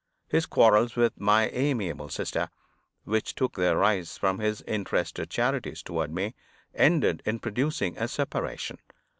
His quarrels with my amiable sister which took their rise from his interested charities toward me ended in producing a separation.